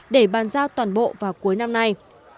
để ban giao toàn bộ vào cuối năm nay